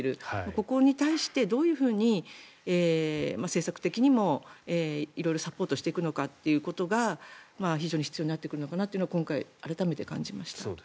ここに対してどういうふうに政策的にも色々サポートしていくのかということが非常に必要になってくるのかなというのが今回、改めて感じました。